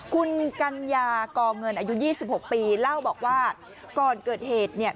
คุณกัญญากอเงินอายุ๒๖ปีเล่าบอกว่าก่อนเกิดเหตุเนี่ย